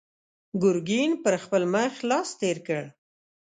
ګرګين پر خپل مخ لاس تېر کړ.